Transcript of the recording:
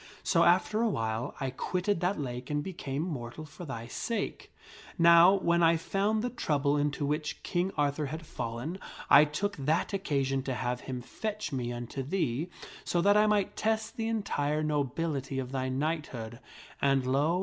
So, after a while, I quitted that lake and became mortal for thy sake. Now, when I found the trouble into which King Arthur had fallen 1 took that occasion to have him fetch me unto thee so that I might test the entire nobility of thy knighthood ; and, lo